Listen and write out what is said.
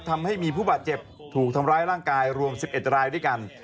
ทำให้มีผู้บาดเจ็บถูกทำร้ายร่างกายรวม๑๑รายด้วยกัน